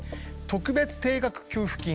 特別定額給付金